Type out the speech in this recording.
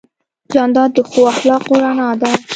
جانداد د ښکلو اخلاقو رڼا ده.